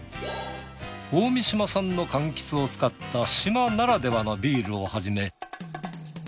大三島産のかんきつを使った島ならではのビールをはじめ。